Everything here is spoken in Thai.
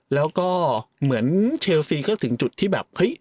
แล้วก็เหมือนเชลซีก็ถึงจุดที่แบบเฮ้ย